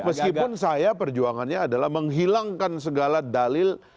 meskipun saya perjuangannya adalah menghilangkan segala dalil